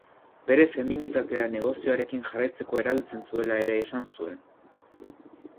Bere feminitatea negozioarekin jarraitzeko erabiltzen zuela ere esan zuen.